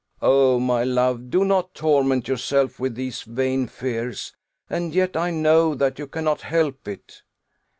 "Oh, my love, do not torment yourself with these vain fears! And yet I know that you cannot help it."